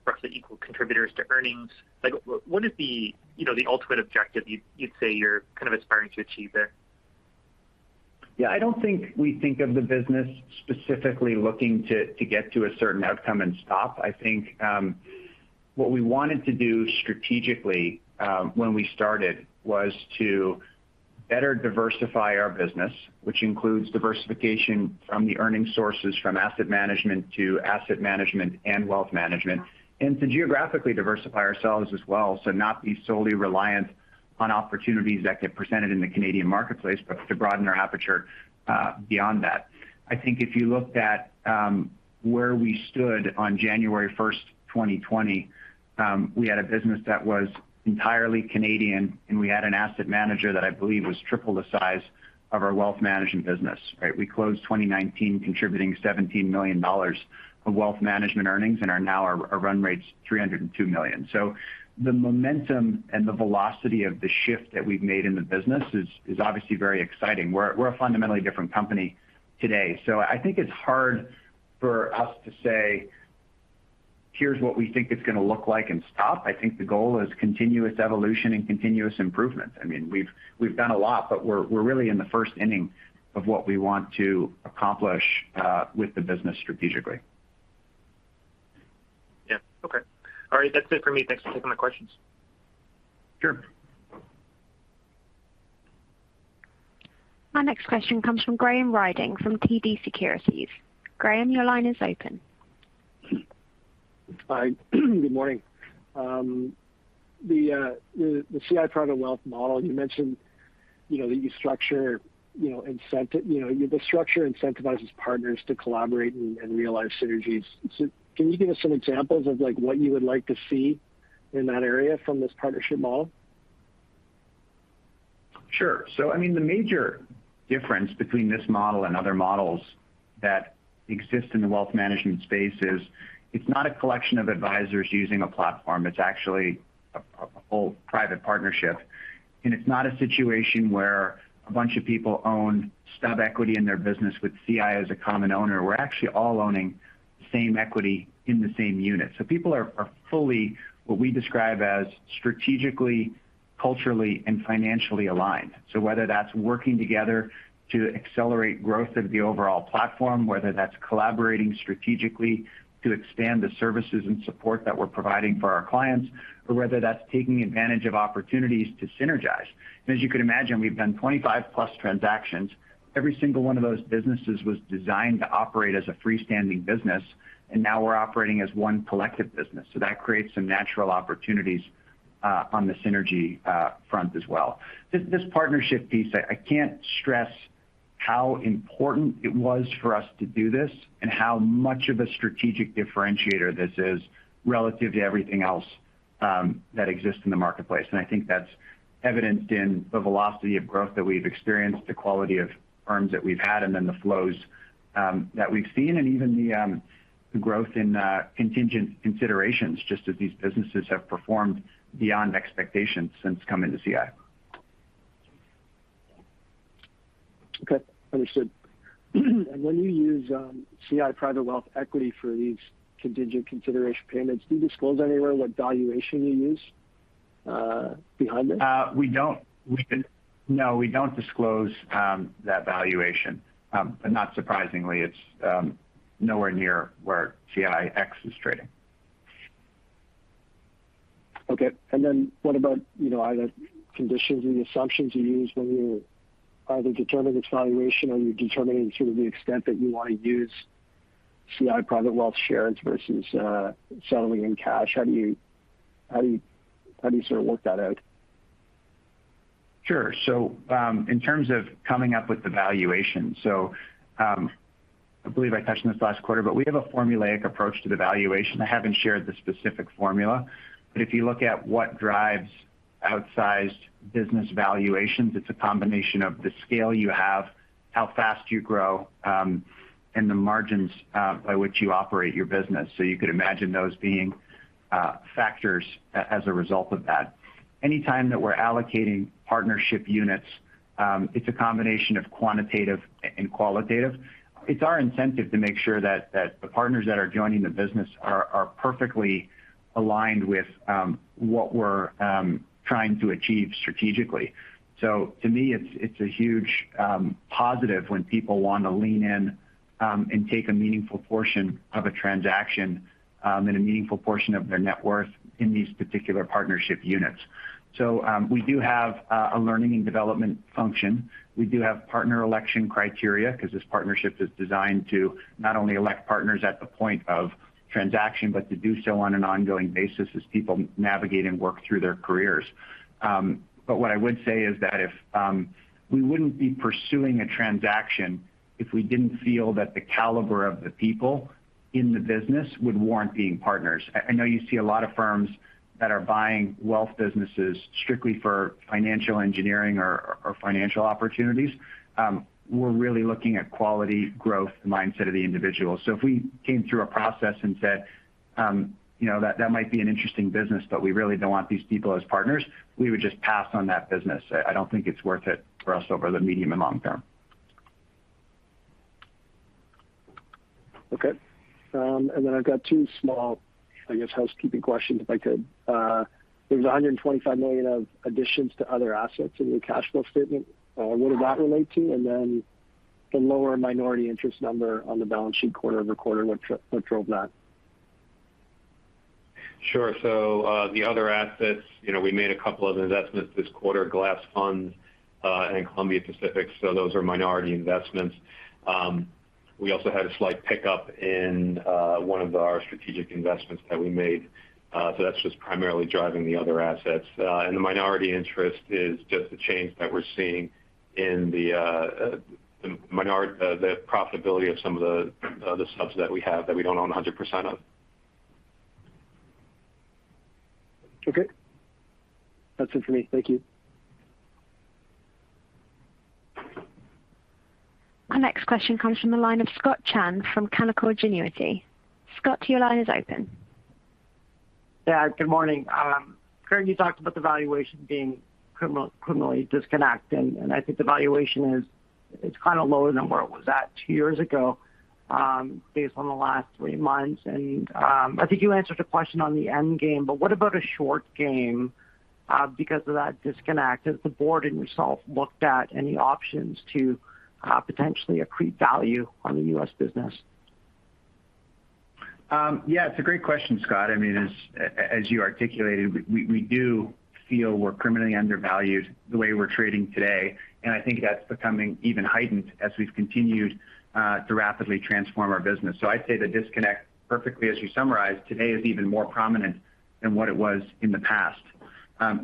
roughly equal contributors to earnings? Like, what is the, you know, the ultimate objective you'd say you're kind of aspiring to achieve there? Yeah. I don't think we think of the business specifically looking to get to a certain outcome and stop. I think what we wanted to do strategically when we started was to better diversify our business, which includes diversification from the earning sources, from asset management to asset management and wealth management, and to geographically diversify ourselves as well. Not be solely reliant on opportunities that get presented in the Canadian marketplace, but to broaden our aperture beyond that. I think if you looked at where we stood on January 1, 2020, we had a business that was entirely Canadian, and we had an asset manager that I believe was triple the size of our wealth management business, right? We closed 2019 contributing 17 million dollars of wealth management earnings and are now our run rate's 302 million. The momentum and the velocity of the shift that we've made in the business is obviously very exciting. We're a fundamentally different company today. I think it's hard for us to say, "Here's what we think it's going to look like and stop." I think the goal is continuous evolution and continuous improvement. I mean, we've done a lot, but we're really in the first inning of what we want to accomplish with the business strategically. Yeah. Okay. All right. That's it for me. Thanks for taking my questions. Sure. Our next question comes from Graham Ryding from TD Securities. Graham, your line is open. Hi. Good morning. The CI Private Wealth model you mentioned, you know, that you structure, you know, the structure incentivizes partners to collaborate and realize synergies. Can you give us some examples of like what you would like to see in that area from this partnership model? Sure. I mean, the major difference between this model and other models that exist in the wealth management space is it's not a collection of advisors using a platform. It's actually a whole private partnership. It's not a situation where a bunch of people own stub equity in their business with CI as a common owner. We're actually all owning same equity in the same unit. People are fully what we describe as strategically, culturally, and financially aligned. Whether that's working together to accelerate growth of the overall platform, whether that's collaborating strategically to expand the services and support that we're providing for our clients, or whether that's taking advantage of opportunities to synergize. As you can imagine, we've done 25+ transactions. Every single one of those businesses was designed to operate as a freestanding business, and now we're operating as one collective business. That creates some natural opportunities on the synergy front as well. This partnership piece, I can't stress how important it was for us to do this and how much of a strategic differentiator this is relative to everything else that exists in the marketplace. I think that's evidenced in the velocity of growth that we've experienced, the quality of firms that we've had, and then the flows that we've seen, and even the growth in contingent considerations just as these businesses have performed beyond expectations since coming to CI. Okay. Understood. When you use CI Private Wealth equity for these contingent consideration payments, do you disclose anywhere what valuation you use behind this? We don't. No, we don't disclose that valuation. Not surprisingly, it's nowhere near where CIX is trading. Okay. What about, you know, either conditions and the assumptions you use when you're either determining its valuation or you're determining sort of the extent that you wanna use CI Private Wealth shares versus settling in cash? How do you sort of work that out? Sure. In terms of coming up with the valuation, I believe I touched on this last quarter, but we have a formulaic approach to the valuation. I haven't shared the specific formula. If you look at what drives outsized business valuations, it's a combination of the scale you have, how fast you grow, and the margins by which you operate your business. You could imagine those being factors as a result of that. Anytime that we're allocating partnership units, it's a combination of quantitative and qualitative. It's our incentive to make sure that the partners that are joining the business are perfectly aligned with what we're trying to achieve strategically. To me, it's a huge positive when people want to lean in and take a meaningful portion of a transaction and a meaningful portion of their net worth in these particular partnership units. We do have a learning and development function. We do have partner election criteria because this partnership is designed to not only elect partners at the point of transaction, but to do so on an ongoing basis as people navigate and work through their careers. What I would say is that if we wouldn't be pursuing a transaction if we didn't feel that the caliber of the people in the business would warrant being partners. I know you see a lot of firms that are buying wealth businesses strictly for financial engineering or financial opportunities. We're really looking at quality growth mindset of the individual. If we came through a process and said, you know, that might be an interesting business, but we really don't want these people as partners, we would just pass on that business. I don't think it's worth it for us over the medium and long term. Okay. I've got two small, I guess, housekeeping questions, if I could. There was 125 million of additions to other assets in your cash flow statement. What did that relate to? The lower minority interest number on the balance sheet quarter-over-quarter, what drove that? Sure. So, the other assets, you know, we made a couple of investments this quarter, GLAS Funds, and Columbia Pacific Advisors, so those are minority investments. We also had a slight pickup in one of our strategic investments that we made, so that's just primarily driving the other assets. The minority interest is just a change that we're seeing in the profitability of some of the subs that we have that we don't own 100% of. Okay. That's it for me. Thank you. Our next question comes from the line of Scott Chan from Canaccord Genuity. Scott, your line is open. Yeah, good morning. Kurt, you talked about the valuation being criminally disconnected, and I think the valuation is, it's kind of lower than where it was at two years ago, based on the last three months. I think you answered a question on the end game, but what about a short game, because of that disconnect? Has the board and yourself looked at any options to potentially accrete value on the U.S. business? Yeah, it's a great question, Scott. I mean, as you articulated, we do feel we're criminally undervalued the way we're trading today. I think that's becoming even heightened as we've continued to rapidly transform our business. I'd say the disconnect perfectly, as you summarized, today is even more prominent than what it was in the past.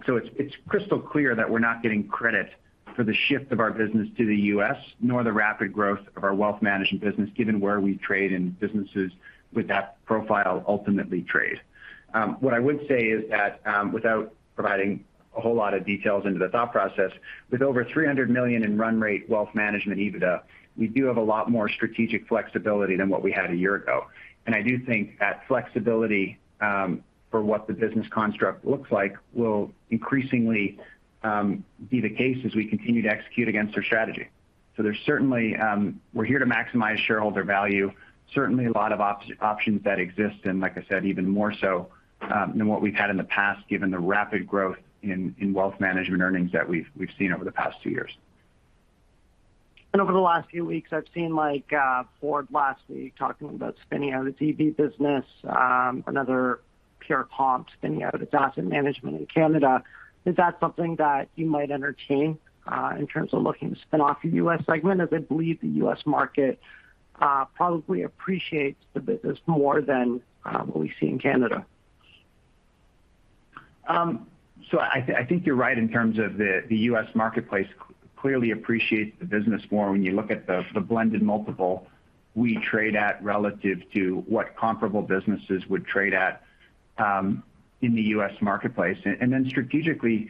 It's crystal clear that we're not getting credit for the shift of our business to the U.S., nor the rapid growth of our wealth management business, given where we trade and businesses with that profile ultimately trade. What I would say is that, without providing a whole lot of details into the thought process, with over 300 million in run rate wealth management EBITDA, we do have a lot more strategic flexibility than what we had a year ago. I do think that flexibility for what the business construct looks like will increasingly be the case as we continue to execute against our strategy. We're here to maximize shareholder value. Certainly a lot of options that exist and like I said, even more so than what we've had in the past, given the rapid growth in wealth management earnings that we've seen over the past two years. Over the last few weeks, I've seen Ford last week talking about spinning out its EV business, another pure comp spinning out its asset management in Canada. Is that something that you might entertain in terms of looking to spin off your U.S. segment, as I believe the U.S. market probably appreciates the business more than what we see in Canada. I think you're right in terms of the U.S. marketplace clearly appreciates the business more when you look at the blended multiple we trade at relative to what comparable businesses would trade at in the U.S. marketplace. Then strategically,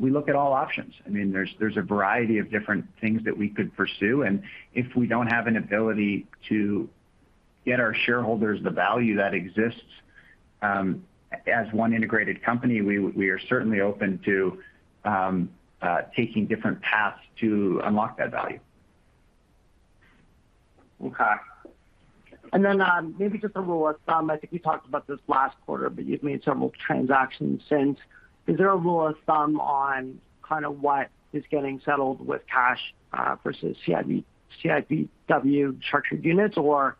we look at all options. I mean, there's a variety of different things that we could pursue. If we don't have an ability to get our shareholders the value that exists as one integrated company, we are certainly open to taking different paths to unlock that value. Okay. Maybe just a rule of thumb. I think we talked about this last quarter, but you've made several transactions since. Is there a rule of thumb on kind of what is getting settled with cash, versus CIPW structured units? Or,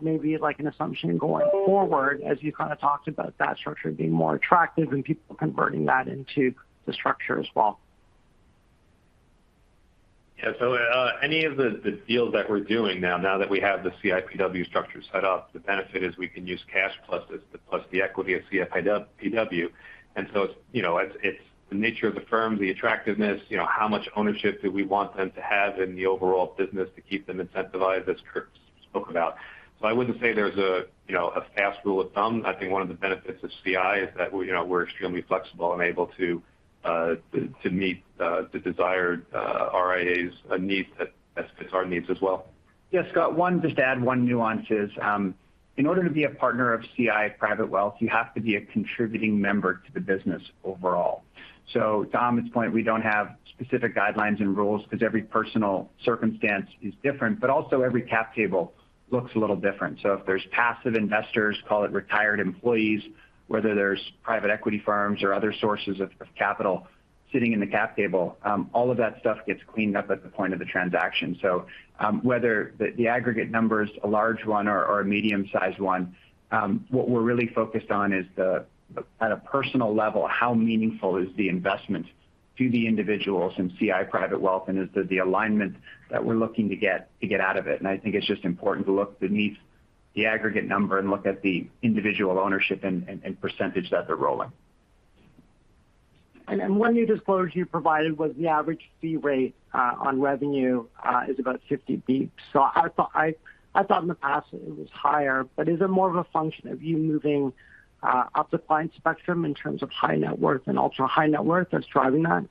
maybe like an assumption going forward as you kind of talked about that structure being more attractive and people converting that into the structure as well? Any of the deals that we're doing now that we have the CIPW structure set up, the benefit is we can use cash plus the equity of CIPW. It's, you know, the nature of the firm, the attractiveness, you know, how much ownership do we want them to have in the overall business to keep them incentivized, as Kurt spoke about. I wouldn't say there's a, you know, a fast rule of thumb. I think one of the benefits of CI is that we're, you know, extremely flexible and able to meet the desired RIAs' need that fits our needs as well. Yeah, Scott, just to add one nuance is, in order to be a partner of CI Private Wealth, you have to be a contributing member to the business overall. To Amit's point, we don't have specific guidelines and rules because every personal circumstance is different, but also every cap table looks a little different. If there's passive investors, call it retired employees, whether there's private equity firms or other sources of capital sitting in the cap table, all of that stuff gets cleaned up at the point of the transaction. Whether the aggregate number is a large one or a medium-sized one, what we're really focused on is the... At a personal level, how meaningful is the investment to the individuals in CI Private Wealth and is the alignment that we're looking to get out of it. I think it's just important to look beneath the aggregate number and look at the individual ownership and percentage that they're rolling. One new disclosure you provided was the average fee rate on revenue is about 50 basis points. I thought in the past it was higher. Is it more of a function of you moving up the client spectrum in terms of high net worth and ultra-high net worth that's driving that?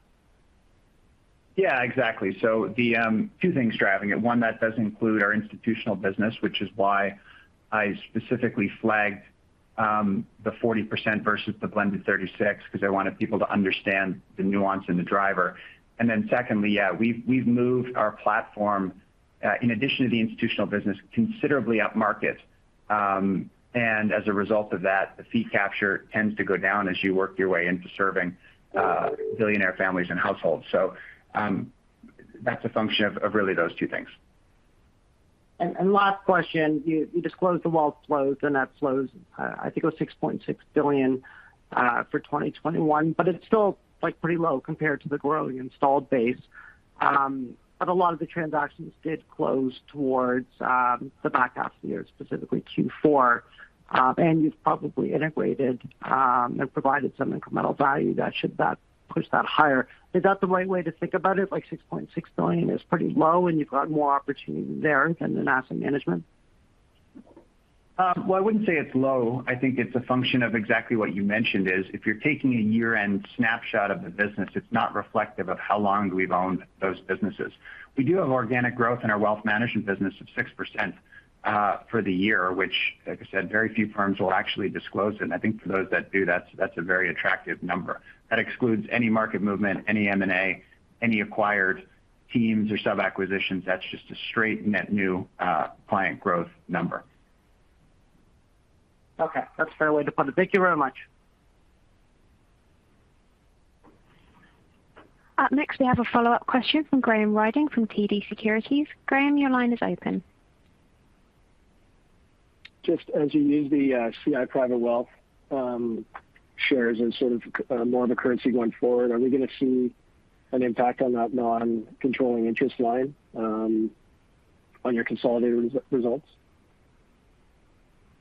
Yeah, exactly. The two things driving it. One, that does include our institutional business, which is why I specifically flagged the 40% versus the blended 36%, because I wanted people to understand the nuance in the driver. Secondly, we've moved our platform, in addition to the institutional business, considerably up market. As a result of that, the fee capture tends to go down as you work your way into serving billionaire families and households. That's a function of really those two things. Last question. You disclosed the wealth flows, the net flows, I think it was 6.6 billion for 2021, but it's still like pretty low compared to the growing installed base. But a lot of the transactions did close towards the back half of the year, specifically Q4. And you've probably integrated and provided some incremental value that should push that higher. Is that the right way to think about it? Like 6.6 billion is pretty low, and you've got more opportunity there than the asset management. Well, I wouldn't say it's low. I think it's a function of exactly what you mentioned is if you're taking a year-end snapshot of the business, it's not reflective of how long we've owned those businesses. We do have organic growth in our wealth management business of 6% for the year, which like I said, very few firms will actually disclose. I think for those that do, that's a very attractive number. That excludes any market movement, any M&A, any acquired teams or sub-acquisitions. That's just a straight net new client growth number. Okay. That's a fair way to put it. Thank you very much. Next, we have a follow-up question from Graham Ryding from TD Securities. Graham, your line is open. Just as you use the CI Private Wealth shares as sort of more of a currency going forward, are we going to see an impact on that non-controlling interest line on your consolidated results?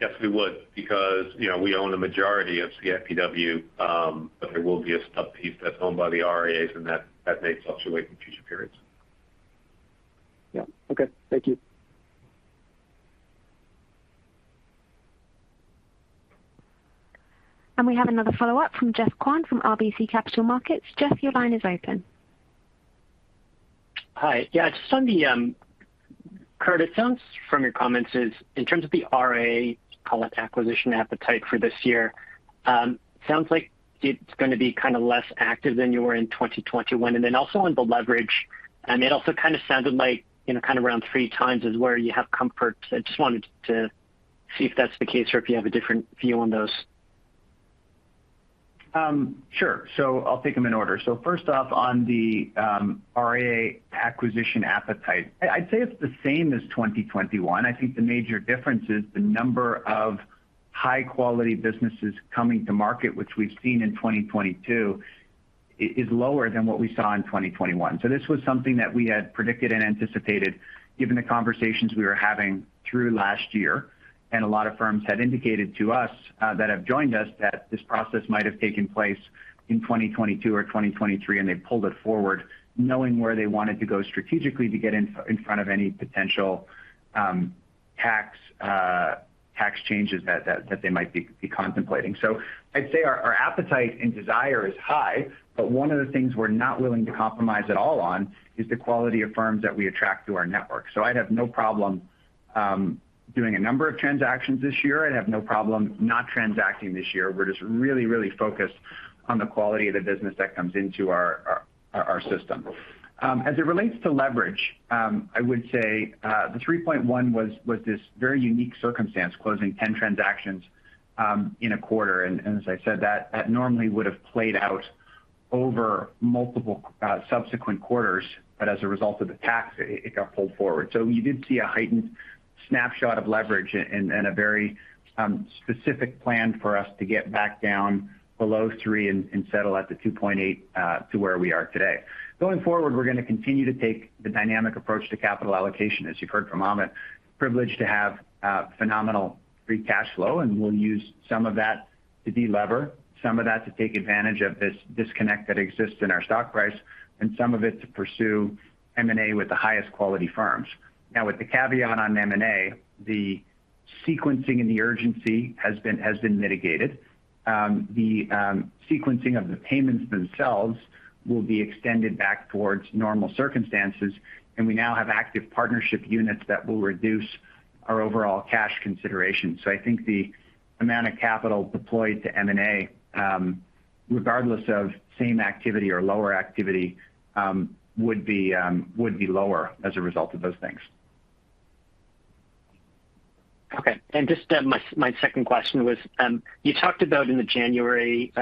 Yes, we would because, you know, we own the majority of CIPW, but there will be a sub piece that's owned by the RIAs, and that may fluctuate in future periods. Yeah. Okay. Thank you. We have another follow-up from Geoffrey Kwan from RBC Capital Markets. Geoffrey Kwan, your line is open. Hi. Yeah, just on the Kurt, it sounds like from your comments in terms of the RIA acquisition appetite for this year, sounds like it's gonna be kind of less active than you were in 2021. Then also on the leverage, it also kind of sounded like, you know, kind of around 3x is where you have comfort. I just wanted to see if that's the case or if you have a different view on those. Sure. I'll take them in order. First off, on the RIA acquisition appetite, I'd say it's the same as 2021. I think the major difference is the number of high-quality businesses coming to market, which we've seen in 2022, is lower than what we saw in 2021. This was something that we had predicted and anticipated given the conversations we were having through last year. A lot of firms had indicated to us that have joined us that this process might have taken place in 2022 or 2023, and they pulled it forward knowing where they wanted to go strategically to get in front of any potential tax changes that they might be contemplating. I'd say our appetite and desire is high, but one of the things we're not willing to compromise at all on is the quality of firms that we attract to our network. I'd have no problem doing a number of transactions this year. I'd have no problem not transacting this year. We're just really focused on the quality of the business that comes into our system. As it relates to leverage, I would say the 3.1 was this very unique circumstance, closing 10 transactions in a quarter. As I said, that normally would have played out over multiple subsequent quarters. But as a result of the tax, it got pulled forward. You did see a heightened snapshot of leverage and a very specific plan for us to get back down below 3 and settle at the 2.8 to where we are today. Going forward, we're gonna continue to take the dynamic approach to capital allocation, as you've heard from Amit. Privileged to have phenomenal free cash flow, and we'll use some of that to delever, some of that to take advantage of this disconnect that exists in our stock price and some of it to pursue M&A with the highest quality firms. Now, with the caveat on M&A, the sequencing and the urgency has been mitigated. The sequencing of the payments themselves will be extended back towards normal circumstances, and we now have active partnership units that will reduce our overall cash consideration. I think the amount of capital deployed to M&A, regardless of same activity or lower activity, would be lower as a result of those things. Okay. Just my second question was, you talked about in the January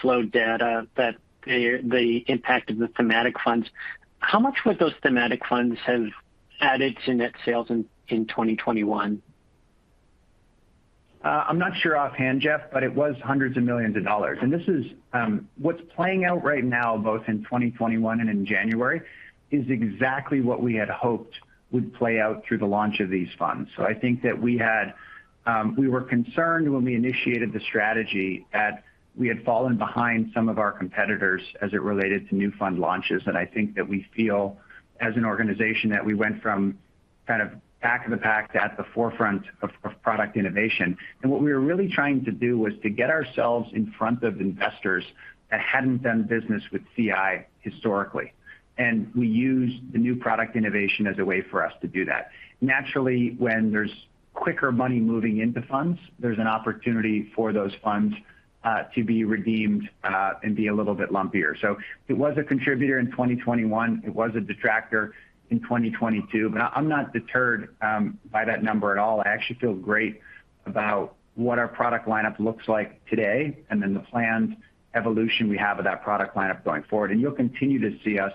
flow data that the impact of the thematic funds. How much would those thematic funds have added to net sales in 2021? I'm not sure offhand, Jeff, but it was CAD hundreds of millions. This is what's playing out right now, both in 2021 and in January, is exactly what we had hoped would play out through the launch of these funds. I think we were concerned when we initiated the strategy that we had fallen behind some of our competitors as it related to new fund launches. I think that we feel as an organization that we went from kind of back of the pack to at the forefront of product innovation. What we were really trying to do was to get ourselves in front of investors that hadn't done business with CI historically. We used the new product innovation as a way for us to do that. Naturally, when there's quicker money moving into funds, there's an opportunity for those funds to be redeemed and be a little bit lumpier. It was a contributor in 2021. It was a detractor in 2022. I'm not deterred by that number at all. I actually feel great about what our product lineup looks like today and then the planned evolution we have of that product lineup going forward. You'll continue to see us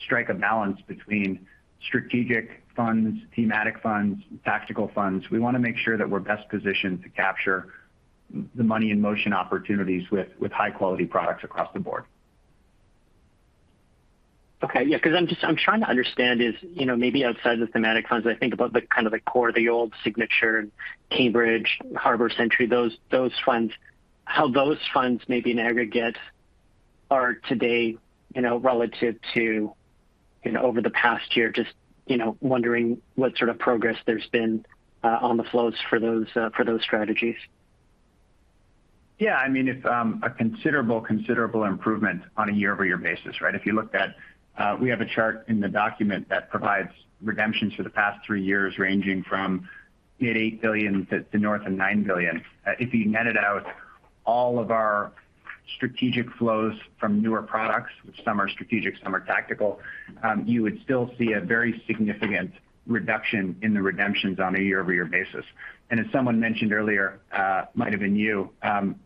strike a balance between strategic funds, thematic funds, tactical funds. We want to make sure that we're best positioned to capture the money in motion opportunities with high-quality products across the board. Okay. Yeah, 'cause I'm trying to understand is, you know, maybe outside the thematic funds, I think about the kind of the core, the old Signature, Cambridge, Harbour, Synergy, those funds. How those funds maybe in aggregate are today, you know, relative to, you know, over the past year just, you know, wondering what sort of progress there's been on the flows for those strategies. Yeah. I mean, it's a considerable improvement on a year-over-year basis, right? If you looked at, we have a chart in the document that provides redemptions for the past three years, ranging from mid 8 billion to north of 9 billion. If you netted out all of our strategic flows from newer products, some are strategic, some are tactical, you would still see a very significant reduction in the redemptions on a year-over-year basis. As someone mentioned earlier, might have been you,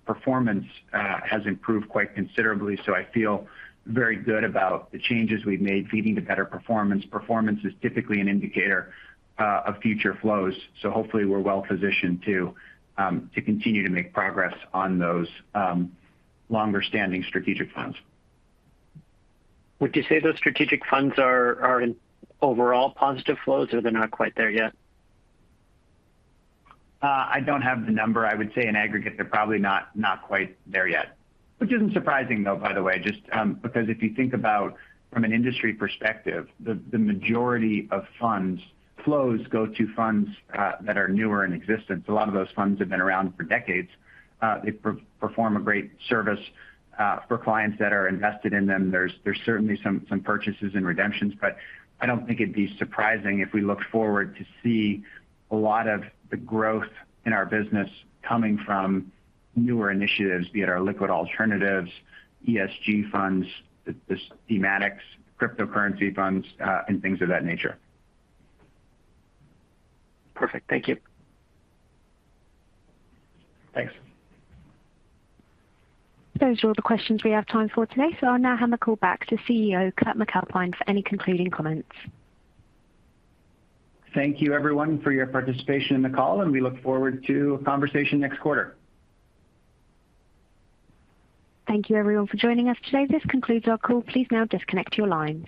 performance has improved quite considerably. I feel very good about the changes we've made feeding to better performance. Performance is typically an indicator of future flows, so hopefully we're well positioned to continue to make progress on those longer-standing strategic funds. Would you say those strategic funds are in overall positive flows, or they're not quite there yet? I don't have the number. I would say in aggregate, they're probably not quite there yet. Which isn't surprising, though, by the way, just because if you think about from an industry perspective, the majority of funds flows go to funds that are newer in existence. A lot of those funds have been around for decades. They perform a great service for clients that are invested in them. There's certainly some purchases and redemptions, but I don't think it'd be surprising if we look forward to see a lot of the growth in our business coming from newer initiatives, be it our liquid alternatives, ESG funds, the thematics, cryptocurrency funds, and things of that nature. Perfect. Thank you. Thanks. Those are all the questions we have time for today, so I'll now hand the call back to CEO Kurt MacAlpine for any concluding comments. Thank you everyone for your participation in the call, and we look forward to a conversation next quarter. Thank you everyone for joining us today. This concludes our call. Please now disconnect your lines.